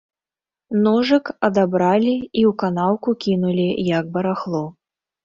Ножык адабралі і ў канаўку кінулі, як барахло.